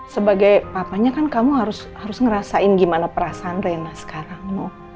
sebagai papanya kan kamu harus ngerasain gimana perasaan rena sekarang no